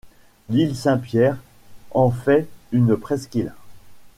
L'île Saint-Pierre, en fait une presqu'île.